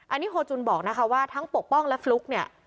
อันนี้โฮจุนบอกนะคะว่าทั้งปกป้องและฟลุ๊กเนี่ย